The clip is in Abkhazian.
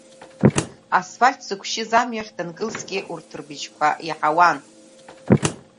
Асфальт зықәшьыз амҩахь данкылсгьы, урҭ рбжьқәа иаҳауан.